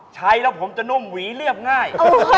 ใช้แล้วผมจะนุ่มหวีเรียบง่าย